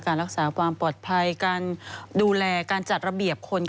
รักษาความปลอดภัยการดูแลการจัดระเบียบคน